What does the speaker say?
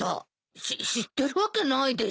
しっ知ってるわけないでしょ。